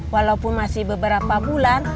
walaupun masih beberapa bulan